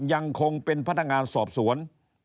ยังคงเป็นพนักงานสอบสวน